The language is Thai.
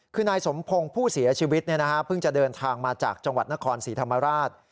คือนายสมพงศ์ผู้เสียชีวิตเพิ่งจะเดินทางมาจากจังหวัดนครศรีธรรมราช